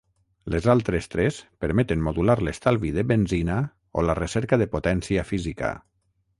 Les altres tres permeten modular l'estalvi de benzina o la recerca de Potència física.